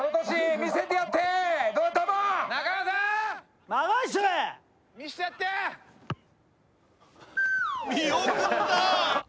見送った！